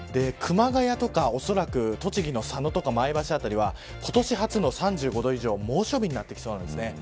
熊谷とかおそらく栃木の佐野とか前橋辺りは今年初の３５度以上猛暑日になってきそうなんです。